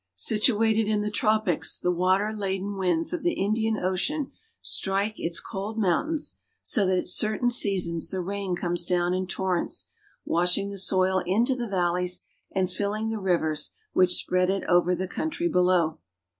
Situ iiftted in the tropics, the water laden winds of the Indian , pcean strike its cold mountains, so that at certain seasons , tjie rain comes down in torrents, washing the soil into the .valleys and filling the rivers which spread it over the coun I try below.